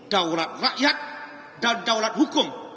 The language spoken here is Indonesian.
daurat rakyat dan daulat hukum